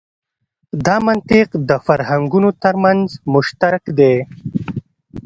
دا منطق د فرهنګونو تر منځ مشترک دی.